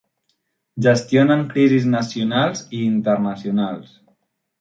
Gestionen crisis nacionals i internacionals.